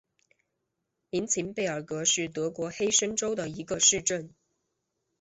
明岑贝尔格是德国黑森州的一个市镇。